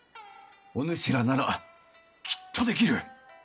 おぬしらならきっとできる。